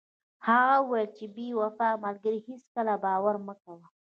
هغه وویل چې په بې وفا ملګري هیڅکله باور مه کوه.